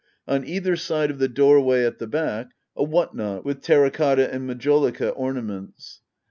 On either side of the doorway at the back a what not with terra cotta and majolica ornaments.